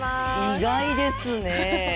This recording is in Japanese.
意外ですねえ。